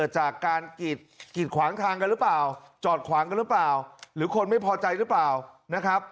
จอดขวางกันหรือเปล่าหรือคนไม่พอใจหรือเปล่า